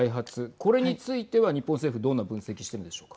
これについては日本政府どんな分析しているんでしょうか。